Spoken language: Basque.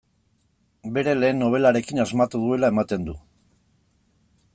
Bere lehen nobelarekin asmatu duela ematen du.